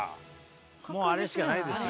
もうあれしかないですよ。